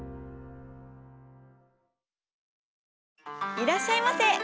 いらっしゃいませ。